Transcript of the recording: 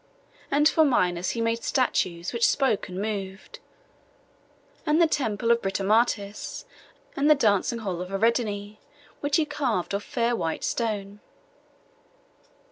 And for Minos he made statues which spoke and moved, and the temple of Britomartis, and the dancing hall of Ariadne, which he carved of fair white stone.